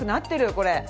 これ。